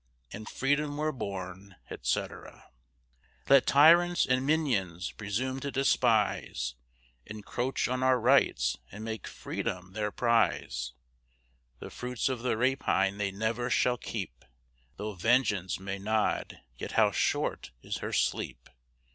In Freedom we're born, etc. Let tyrants and minions presume to despise, Encroach on our RIGHTS, and make FREEDOM their prize; The fruits of their rapine they never shall keep, Though Vengeance may nod, yet how short is her sleep.